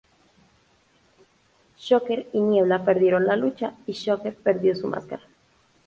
Shocker y Niebla perdieron la lucha y Shocker perdió su máscara.